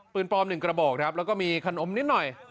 ปลอม๑กระบอกครับแล้วก็มีขนมนิดหน่อย